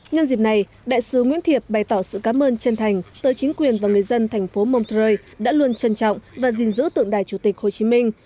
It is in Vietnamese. nhân dịp này đại sứ nguyễn thiệp bày tỏ sự cám ơn chân thành tới chính quyền và người dân thành phố montreux đã luôn trân trọng và gìn giữ tượng đài chủ tịch hồ chí minh